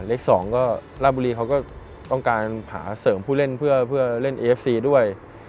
เล็ก๒แบอร์ราตบุรีอยากต้องการผ่าเสริมผู้เล่นเพื่อเล่นแอฟซีด้วย